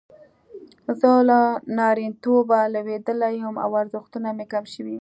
زه له نارینتوبه لویدلی یم او ارزښتونه مې کم شوي.